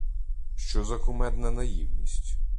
Що за кумедна наївність?